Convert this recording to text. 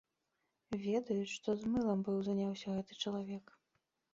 Ведаюць, што з мылам быў заняўся гэты чалавек.